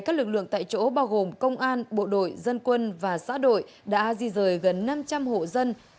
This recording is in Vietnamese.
các lực lượng tại chỗ bao gồm công an bộ đội dân quân và xã đội đã di rời gần năm trăm linh hộ dân